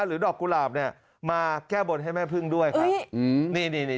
หรือดอกกุหลาเนี้ยมาแก้บนให้แม่เพลิงด้วยครับนี่นี่นี่